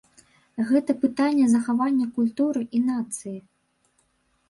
Гэта пытанне захавання культуры і нацыі.